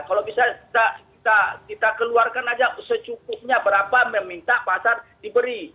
kalau bisa kita keluarkan aja secukupnya berapa meminta pasar diberi